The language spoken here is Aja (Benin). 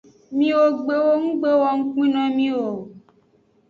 Miwo gbewo nggbe wo ngukpe no mi o.